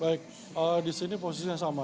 baik di sini posisinya sama